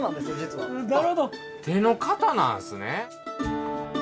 手の形なんすね。